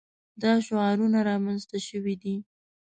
دا شعارونه رامنځته شوي دي.